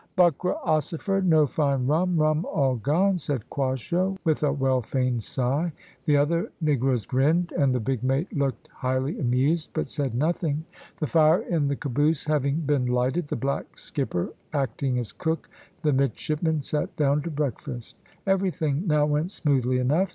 "Buckra ossifer no find rum rum all gone!" said Quasho, with a well feigned sigh. The other negroes grinned, and the big mate looked highly amused, but said nothing. The fire in the caboose having been lighted, the black skipper acting as cook, the midshipmen sat down to breakfast. Everything now went smoothly enough.